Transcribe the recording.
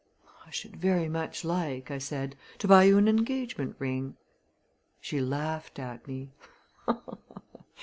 "I should very much like," I said, "to buy you an engagement ring." She laughed at me.